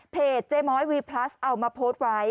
เจ๊ม้อยวีพลัสเอามาโพสต์ไว้